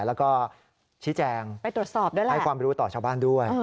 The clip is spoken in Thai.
แล้วก็ชี้แจงไปตรวจสอบได้แล้วให้ความรู้ต่อชาวบ้านด้วย